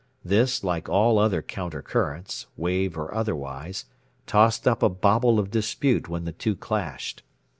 This, like all other counter currents wave or otherwise tossed up a bobble of dispute when the two clashed.